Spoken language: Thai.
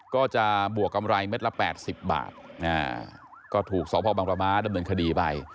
ก็จะบวกกำไร๑เมตรละ๘๐บาทก็ถูกสอบพ่อบางประมาณด้วยเหมือนคดีไป